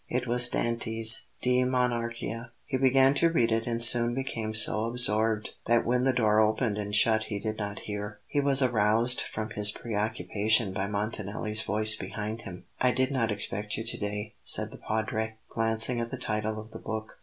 It was Dante's "De Monarchia." He began to read it and soon became so absorbed that when the door opened and shut he did not hear. He was aroused from his preoccupation by Montanelli's voice behind him. "I did not expect you to day," said the Padre, glancing at the title of the book.